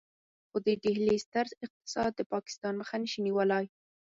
خو د ډهلي ستر اقتصاد د پاکستان مخه نشي نيولای.